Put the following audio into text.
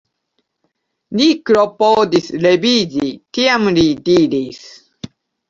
Li klopodis leviĝi, tiam li diris: